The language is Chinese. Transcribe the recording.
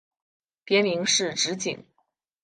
别名是直景。